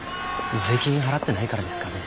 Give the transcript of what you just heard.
税金払ってないからですかね。